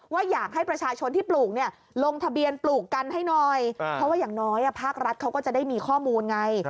ว่าอยากให้ประชาชนที่ปลูกเนี่ยลงทะเบียนปลูกกันให้หน่อยเพราะว่าอย่างน้อยภาครัฐเขาก็จะได้มีข้อมูลไง